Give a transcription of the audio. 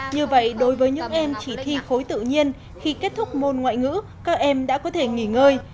như vậy đối với những em chỉ thi khối tự nhiên khi kết thúc môn ngoại ngữ các em đã có thể nghỉ ngơi